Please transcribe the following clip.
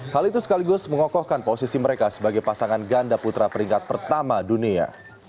hal itu sekaligus mengokohkan posisi mereka sebagai pasangan ganda putra peringkat pertama dunia